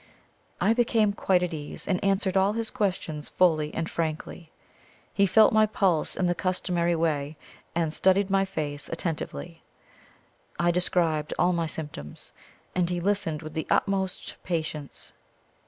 I became quite at ease, and answered all his questions fully and frankly. He felt my pulse in the customary way, and studied my face attentively. I described all my symptoms, and he listened with the utmost patience.